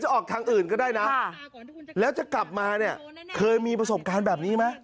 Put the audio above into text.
ออกทางอื่นก็ได้นะแล้วจะกลับมาเนี่ยเคยมีประสบการณ์แบบนี้ไหม